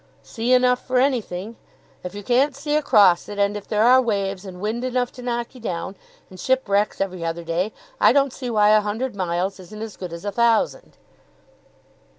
"Sea enough for anything. If you can't see across it, and if there are waves, and wind enough to knock you down, and shipwrecks every other day, I don't see why a hundred miles isn't as good as a thousand."